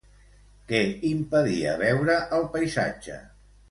Què impedia veure el paisatge?